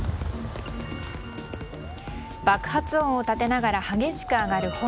爆発音を立てながら激しく上がる炎。